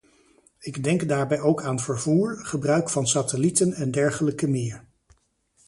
Ik denk daarbij ook aan vervoer, gebruik van satellieten en dergelijke meer.